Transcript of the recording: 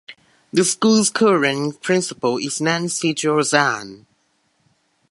The school's current principal is Nancy Girozan.